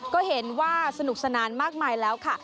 ก็เห็นว่าสนุกสนานมากมายแล้วค่ะ